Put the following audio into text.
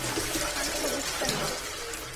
আমি সবুজটা নেবো।